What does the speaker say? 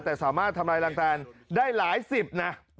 แต่สามารถทำลายรังแตนได้หลายสิบนะ